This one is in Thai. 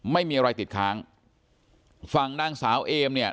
ไม่มีอะไรติดค้างฝั่งนางสาวเอมเนี่ย